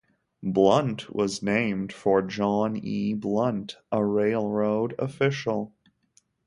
Blunt was named for John E. Blunt, a railroad official.